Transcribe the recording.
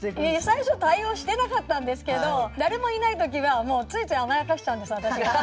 最初対応してなかったんですけど誰もいない時はついつい甘やかしちゃうんです私が。